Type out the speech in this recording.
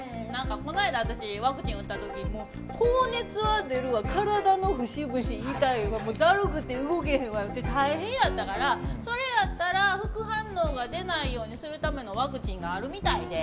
この間私ワクチン打った時に高熱は出るわ体の節々痛いわだるくて動けへんわいうて大変やったからそれやったら副反応が出ないようにするためのワクチンがあるみたいで。